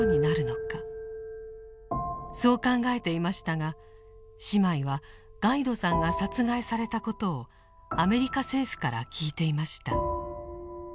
そう考えていましたが姉妹はガイドさんが殺害されたことをアメリカ政府から聞いていました。